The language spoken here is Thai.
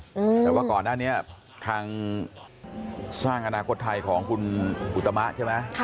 แต่ว่าก่อนหน้านี้ทางสร้างอนาคตไทยของคุณอุตมะใช่ไหม